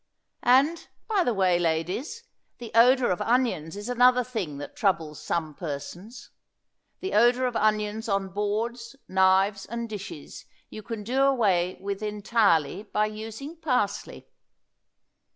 And, by the way, ladies, the odor of onions is another thing that troubles some persons. The odor of onions on boards, knives and dishes you can do away with entirely by using parsley.